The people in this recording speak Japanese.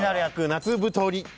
夏太り。